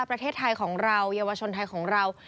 ประเทศไทยของเราเยาวชนไทยของเรา